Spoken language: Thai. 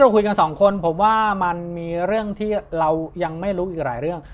คุยกันสองคนผมว่ามันมีเรื่องที่เรายังไม่รู้อีกหลายเรื่อง